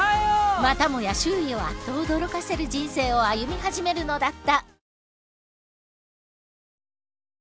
またもや周囲をあっと驚かせる人生を歩み始めるのだった。